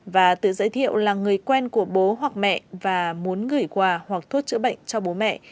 và tự giới thiệu là người quen của bố hoặc mẹ và muốn gửi quà hoặc thuốc chữa bệnh cho bố mẹ